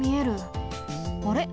あれ？